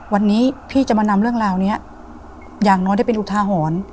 วันนี้พี่จะมานำเรื่องราวนี้อย่างน้อยได้เป็นอุทาหรณ์